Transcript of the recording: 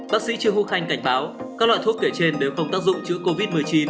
bác sĩ trương quốc khanh cảnh báo các loại thuốc kể trên đều không tác dụng chữ covid một mươi chín